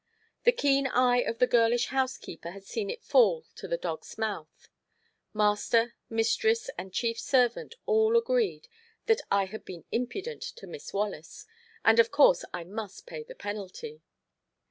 The keen eye of the girlish housekeeper had seen it fall to the dog's mouth. Master, mistress and chief servant all agreed that I had been impudent to Miss Wallace, and of course I must pay the penalty.